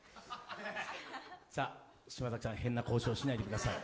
島崎さん、変な交渉しないでください。